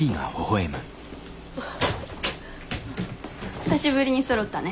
久しぶりにそろったね。